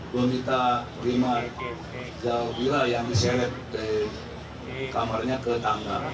dua minta lima jauh pira yang diselet dari kamarnya ke tangga